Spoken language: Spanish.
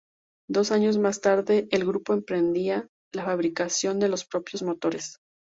Dos años más tarde el Grupo emprendía la fabricación de los propios motores.